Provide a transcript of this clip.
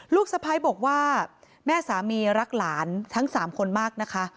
สะพ้ายบอกว่าแม่สามีรักหลานทั้ง๓คนมากนะคะ